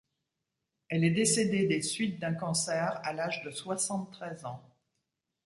Elle est décédée des suites d'un cancer à l'âge de soixante-treize ans.